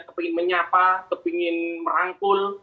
kepingin menyapa kepingin merangkul